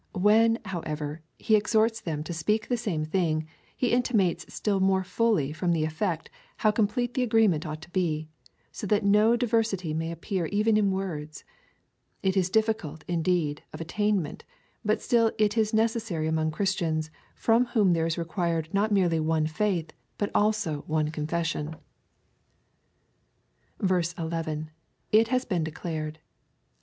When, however, he exhorts them to speak the same thing, he intimates still more fully from the effect, how complete the agreement ought to be — so that no diver sity may appear even in words. It is difficult, indeed, of attainment, but still it is necessary among Christians, from whom there is required not merely one faith, but also one confession. 11. It has been declared.